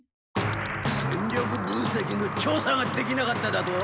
戦力分せきのちょうさができなかっただと？